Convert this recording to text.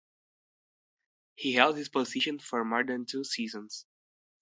He held this position for more than two seasons.